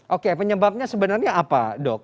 oke penyebabnya sebenarnya apa dok